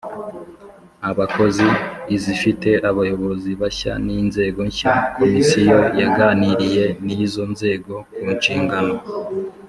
abakozi izifite abayobozi bashya n inzego nshya Komisiyo yaganiriye n izo nzego ku nshingano